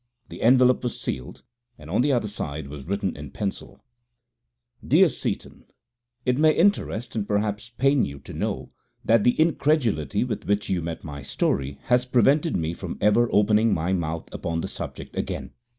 The envelope was sealed, and on the other side was written in pencil DEAR SEATON, "It may interest, and perhaps pain you, to know that the incredulity with which you met my story has prevented me from ever opening my mouth upon the subject again.